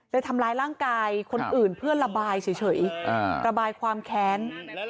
ทำร้ายร่างกายคนอื่นเพื่อระบายเฉยระบายความแค้น